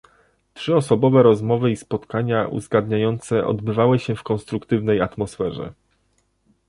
Trzyosobowe rozmowy i spotkania uzgadniające odbywały się w konstruktywnej atmosferze